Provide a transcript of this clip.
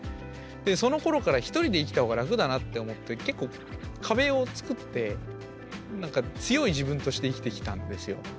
でそのころから一人で生きた方が楽だなって思って結構壁をつくってなんか強い自分として生きてきたんですよ。